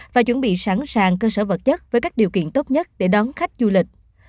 và chuẩn bị sẵn sàng cơ sở vật chất với các điều kiện tốt nhất để đón khách du lịch